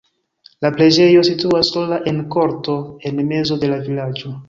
La preĝejo situas sola en korto en mezo de la vilaĝo.